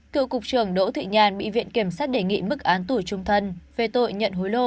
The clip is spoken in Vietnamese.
cựu cục trưởng đỗ thị nhàn bị viện kiểm sát đề nghị mức án tù trung thân về tội nhận hối lộ